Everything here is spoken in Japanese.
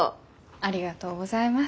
ありがとうございます。